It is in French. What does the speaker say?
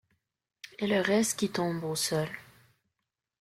et le reste qui tombe au sol.